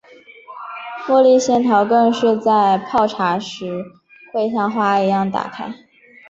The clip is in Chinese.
茉莉仙桃更是在泡茶时会像花一样打开。